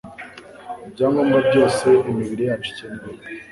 Ibyangombwa byose imibiri yacu ikenera